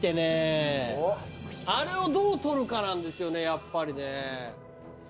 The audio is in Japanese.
あれをどうとるかなんですよねやっぱりね。